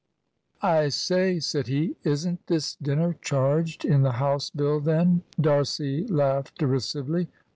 "I say," said he, "isn't this dinner charged in the house bill then?" D'Arcy laughed derisively.